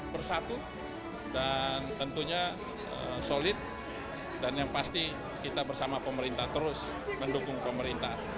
bersatu dan tentunya solid dan yang pasti kita bersama pemerintah terus mendukung pemerintah